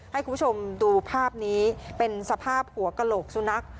ให้คุณผู้ชมดูภาพนี้เป็นสภาพหัวกระโหลกสุนัข